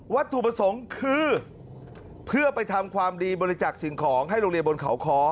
ถูกประสงค์คือเพื่อไปทำความดีบริจักษ์สิ่งของให้โรงเรียนบนเขาค้อ